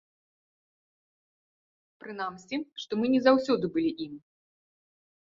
Прынамсі, што мы не заўсёды былі ім.